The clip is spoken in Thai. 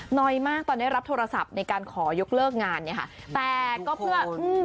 น้อยมากตอนได้รับโทรศัพท์ในการขอยกเลิกงานเนี่ยค่ะแต่ก็เพื่ออืม